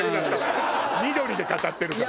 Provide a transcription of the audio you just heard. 緑で語ってるから。